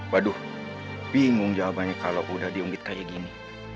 waduh bingung jawabannya kalau udah diungkit kayak gini